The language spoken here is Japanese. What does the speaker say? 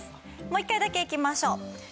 もう１回だけいきましょう。